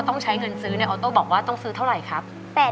ต้องใช้เงินซื้อเนี่ยออโต้บอกว่าต้องซื้อเท่าไหร่ครับ